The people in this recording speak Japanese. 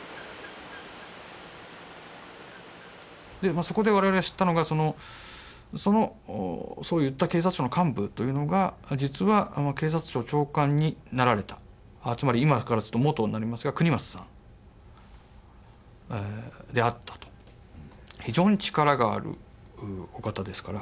そこで我々が知ったのがそう言った警察庁の幹部というのが実は警察庁長官になられたつまり今からすると元になりますが國松さんであったと。非常に力があるお方ですから。